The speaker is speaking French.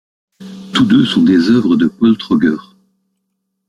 Tous deux sont des œuvres de Paul Troger.